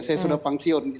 saya sudah fungsiun